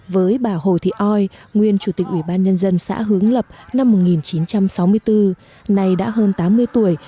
với bà hồ thị oi nguyên chủ tịch ủy ban nhân dân xã hướng lập năm một nghìn chín trăm sáu mươi bốn nay đã hơn tám mươi tuổi